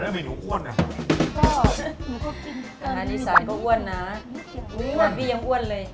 แล้วไม่หนูอ้วนอ่ะหนูก็กินอาหารดิสารก็อ้วนนะอ้วนพี่ยังอ้วนเลย